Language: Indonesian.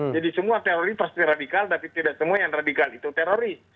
jadi semua teroris pasti radikal tapi tidak semua yang radikal itu teroris